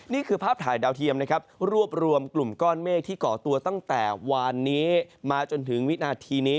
นี่คือภาพถ่ายดาวเทียมนะครับรวบรวมกลุ่มก้อนเมฆที่เกาะตัวตั้งแต่วานนี้มาจนถึงวินาทีนี้